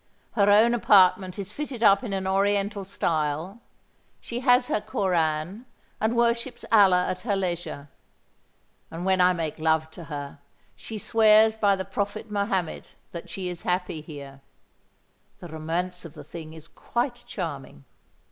Her own apartment is fitted up in an oriental style; she has her Koran, and worships Alla at her leisure; and when I make love to her, she swears by the Prophet Mahommed that she is happy here. The romance of the thing is quite charming."